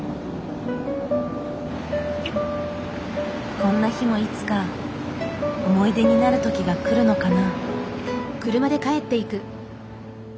こんな日もいつか思い出になる時が来るのかな？